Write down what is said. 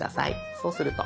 そうすると。